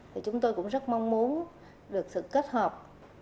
thì chúng tôi cũng rất mong muốn được sự kết hợp